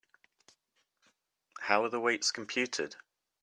How are the weights computed?